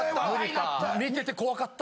・見てて怖かった・